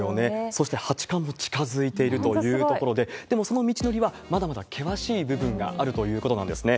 そして、八冠も近づいているというところで、でもその道のりは、まだまだ険しい部分があるということなんですね。